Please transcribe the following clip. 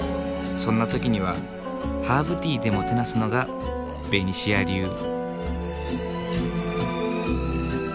そんな時にはハーブティーでもてなすのがベニシア流。